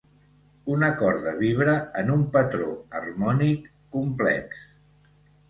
Una corda vibra en un patró harmònic complex.